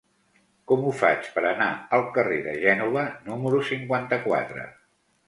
Com ho faig per anar al carrer de Gènova número cinquanta-quatre?